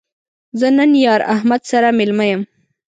زه نن یار احمد سره مېلمه یم